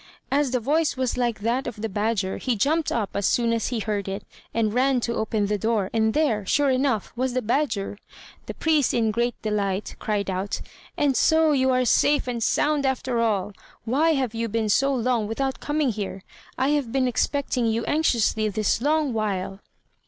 As the voice was like that of the badger, he jumped up as soon as he heard it, and ran to open the door; and there, sure enough, was the badger. The priest, in great delight, cried out: "And so you are safe and sound, after all! Why have you been so long without coming here? I have been expecting you anxiously this long while."